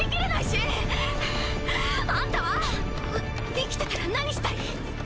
生きてたら何したい？